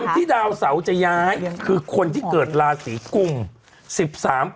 ที่ดาวเสาจะย้ายคือคนที่เกิดราศีกุม